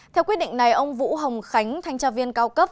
theo quyết định này ông vũ hồng khánh thanh tra viên cao cấp